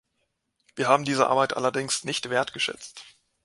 Wir haben diese Arbeit allerdings nicht wertgeschätzt.